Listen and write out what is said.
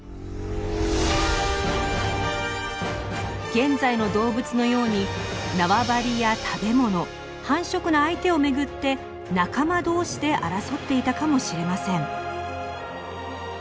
現在の動物のように縄張りや食べ物繁殖の相手を巡って仲間同士で争っていたかもしれません。